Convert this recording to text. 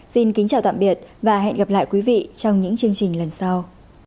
xin kính chào tạm biệt và hẹn gặp lại quý vị trong những chương trình lần sau